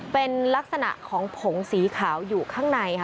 เป็นลักษณะของผงสีขาวอยู่ข้างในค่ะ